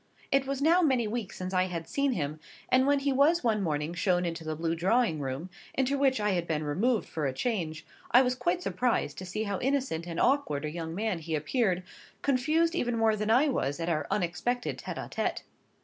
It was now many weeks since I had seen him, and when he was one morning shown into the blue drawing room (into which I had been removed for a change), I was quite surprised to see how innocent and awkward a young man he appeared, confused even more than I was at our unexpected tete a tete.